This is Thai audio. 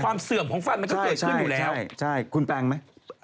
ความเสื่อมของฟันก็เกิดขึ้นอยู่แล้วใช่คุณแปลงไหม